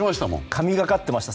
神がかっていました。